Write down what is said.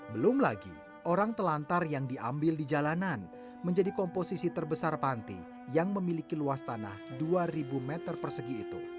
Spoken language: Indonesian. belum lagi orang telantar yang diambil di jalanan menjadi komposisi terbesar panti yang memiliki luas tanah dua ribu meter persegi itu